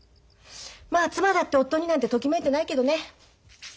まあ妻だって夫になんてときめいてないけどね。